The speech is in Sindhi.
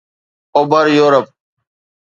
اوڀر يورپ